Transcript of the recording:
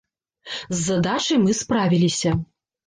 З задачай мы справіліся.